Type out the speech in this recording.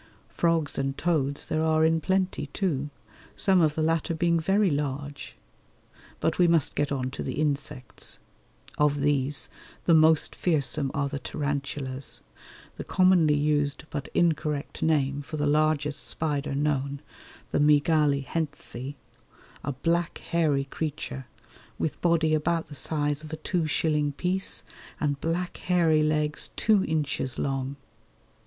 Frogs and toads there are in plenty, too, some of the latter being very large; but we must get on to the insects. Of these the most fearsome are the tarantulas, the commonly used but incorrect name for the largest spider known, the Mygale Hentzi, a black hairy creature with body about the size of a two shilling piece and black hairy legs two inches long.